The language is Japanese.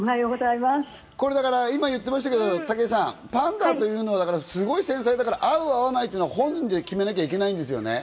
今言ってましたけれども武井さん、パンダはすごく繊細だから合う、合わないは本人で決めなきゃいけないんですよね。